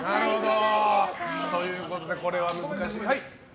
なるほど。ということで、これは難しい。